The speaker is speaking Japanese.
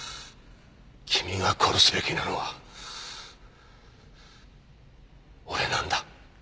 君が殺すべきなのは俺なんだ。